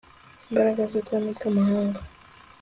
imbaraga z ubwami bw amahanga